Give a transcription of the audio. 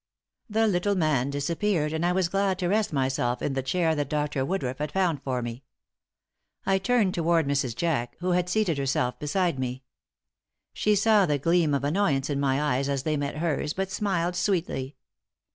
The little man disappeared, and I was glad to rest myself in the chair that Dr. Woodruff had found for me. I turned toward Mrs. Jack, who had seated herself beside me. She saw the gleam of annoyance in my eyes as they met hers, but smiled, sweetly.